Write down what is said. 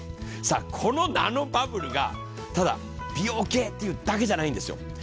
さあこのナノバブルがただ美容系っていうだけじゃないんですよ。